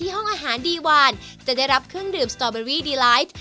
ขอบคุณค่ะ